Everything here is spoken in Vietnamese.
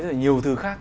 rồi nhiều thứ khác